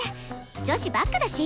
女子ばっかだし！